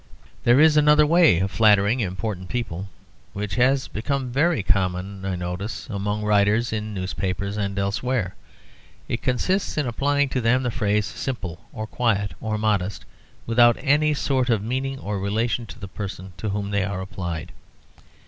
There is another way of flattering important people which has become very common, I notice, among writers in the newspapers and elsewhere. It consists in applying to them the phrases "simple," or "quiet," or "modest," without any sort of meaning or relation to the person to whom they are applied.